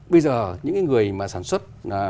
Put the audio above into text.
bây giờ những người mà sản xuất